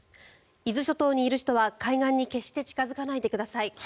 伊豆諸島にいる人は海岸に決して近付かないでください。